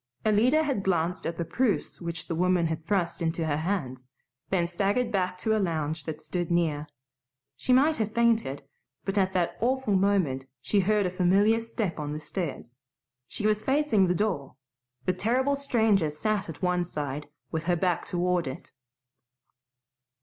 Alida had glanced at the proofs which the woman had thrust into her hands, then staggered back to a lounge that stood near. She might have fainted, but at that awful moment she heard a familiar step on the stairs. She was facing the door; the terrible stranger sat at one side, with her back toward it.